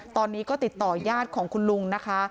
ตอนนี้ก็ติดต่อยาดของคุณลุงนะคะ